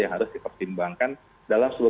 yang harus dipertimbangkan dalam